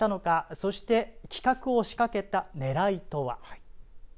そして企画を仕掛けたねらいとは。